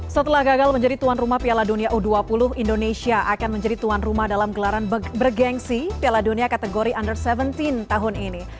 setelah gagal menjadi tuan rumah piala dunia u dua puluh indonesia akan menjadi tuan rumah dalam gelaran bergensi piala dunia kategori under tujuh belas tahun ini